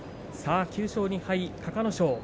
９勝２敗隆の勝。